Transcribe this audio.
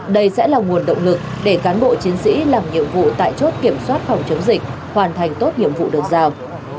đây sẽ là nguồn động lực để cán bộ chiến sĩ làm nhiệm vụ tại chốt kiểm soát phòng chống dịch hoàn thành tốt nhiệm vụ được giao